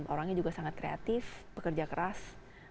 orangnya juga sangat kreatif pekerja keras